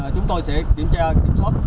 chúng tôi sẽ kiểm tra